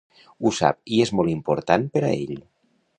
Ho sap i és molt important per a ell.